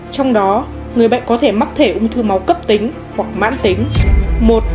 trong đó người bệnh có thể mắc thể ung thư máu cấp tính hoặc mãn tính